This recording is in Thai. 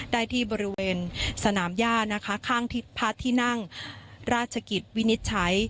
ได้ที่บริเวณสนามย่านะคะข้างทิศพระที่นั่งราชกิจวินิจฉัย